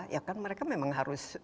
ya kan mereka memang harus